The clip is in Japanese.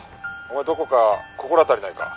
「お前どこか心当たりないか？」